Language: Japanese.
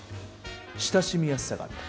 親しみやすさがあった。